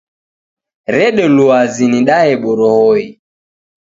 Rede luw'azi nidaye borohoi.